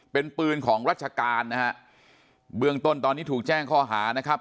เป็นปืนของราชการนะฮะเบื้องต้นตอนนี้ถูกแจ้งข้อหานะครับ